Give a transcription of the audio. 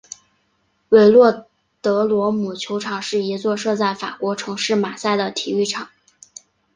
韦洛德罗姆球场是一座设在法国城市马赛的体育场。